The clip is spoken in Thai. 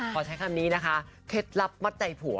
ขอใช้คำนี้นะคะเคล็ดลับมัดใจผัว